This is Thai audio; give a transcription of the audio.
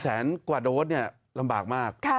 วันละ๔๐๐กว่าโดสเนี่ยลำบากมาก